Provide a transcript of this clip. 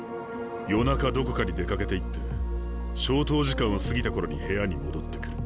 夜中どこかに出かけていって消灯時間を過ぎた頃に部屋に戻ってくる。